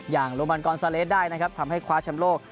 อย่างโรงพยาบาลกรณ์สาเลสได้นะครับทำให้คว้าชำโลก